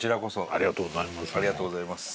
ありがとうございます。